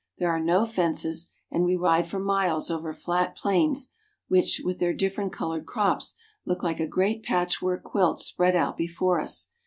There are no fences, and we ride for miles over flat plains which, with their different colored crops, look like a great patchwork quilt spread out before us.